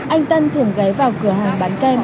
anh tân thường gái vào cửa hàng bán kem